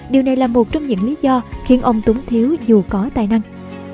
điều này là một trong những lý do khiến ông túng thiếu dù có tài năng